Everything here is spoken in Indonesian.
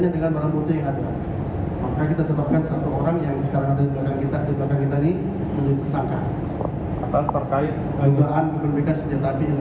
dugaan keberbekan senjata api ilegal